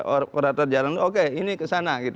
operator jalan oke ini ke sana